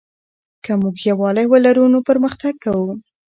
که موږ یووالی ولرو نو پرمختګ کوو.